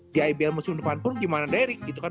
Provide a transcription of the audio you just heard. di ibl musim depan pun gimana dary gitu kan